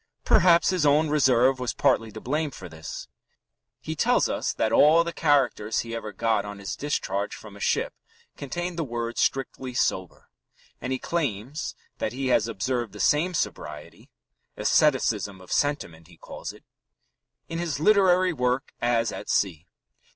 Perhaps his own reserve was partly to blame for this. He tells us that all the "characters" he ever got on his discharge from a ship contained the words "strictly sober," and he claims that he has observed the same sobriety "asceticism of sentiment," he calls it in his literary work as at sea.